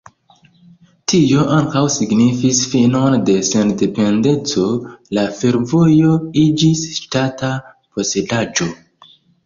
Tio ankaŭ signifis finon de sendependeco, la fervojo iĝis ŝtata posedaĵo.